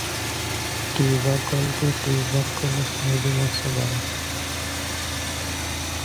টিউবারকলকে tuberculous নোডুলসও বলা হয়।